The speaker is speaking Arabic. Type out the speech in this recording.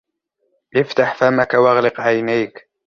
افتح فمك وأغلق عينيك.